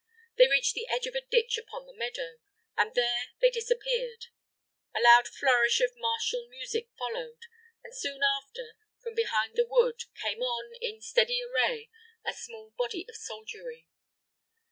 They reached the edge of a ditch upon the meadow, and there they disappeared. A loud flourish of martial music followed, and soon after, from behind the wood, came on, in steady array, a small body of soldiery.